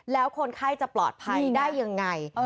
แล้วคนไข้จะปลอดภัยได้ยังไง